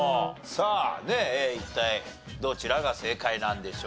さあ一体どちらが正解なんでしょうか？